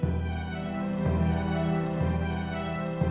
tidak ada bangunan